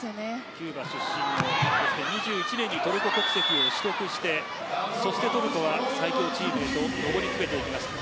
キューバ出身２１年にトルコ国籍を取得してトルコは最強チームに上り詰めていきました。